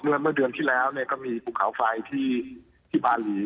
เมื่อเดือนที่แล้วก็มีภูเขาไฟที่บาลี